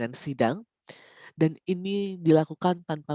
pertama terkait bahwa g tujuh akan merespon